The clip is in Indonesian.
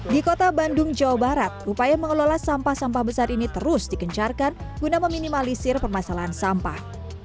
di kota bandung jawa barat upaya mengelola sampah sampah besar ini terus dikencarkan guna meminimalisir permasalahan sampah